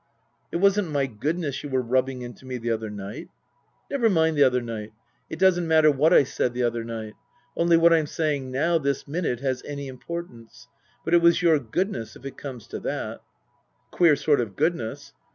" It wasn't my goodness you were ribbing into me the other night." " Never mind the other night. It doesn't matter what I said the other night. Only what I'm saying now this minute has any importance. But it was your goodness, if it comes to that." " Queer sort of goodness."